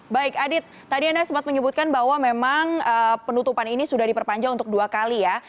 baik adit tadi anda sempat menyebutkan bahwa memang penutupan ini sudah diperpanjang untuk dua kali ya